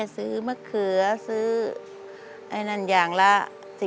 ซื้อมะเขือซื้ออะไรอย่างงี้